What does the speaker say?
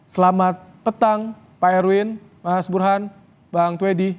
selamat petang pak erwin mas burhan bang twedi